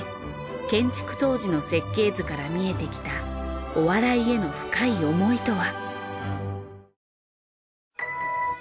建築当時の設計図から見えてきたお笑いへの深い思いとは？